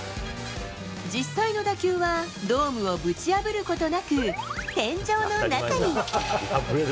実際の打球は、ドームをぶち破ることなく、天井の中に。